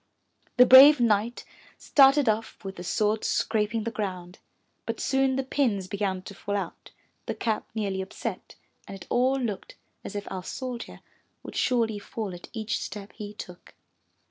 The brave knight started off with the sword scraping the ground. But soon the pins began to fall out, the cap nearly upset, and it looked as if our 403 MY BOOK HOUSE soldier would surely fall at each step he took.